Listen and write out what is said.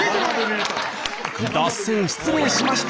脱線失礼しました！